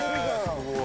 すごい。